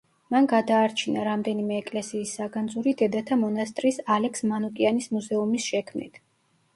მან გადაარჩინა რამდენიმე ეკლესიის საგანძური დედათა მონასტრის ალექს მანუკიანის მუზეუმის შექმნით.